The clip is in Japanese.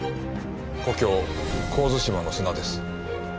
故郷神津島の砂です。